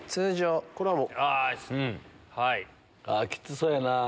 きつそうやな。